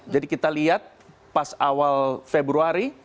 jadi kita lihat pas awal februari